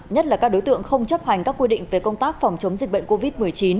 nhất là các đối tượng không chấp hành các quy định về công tác phòng chống dịch bệnh covid một mươi chín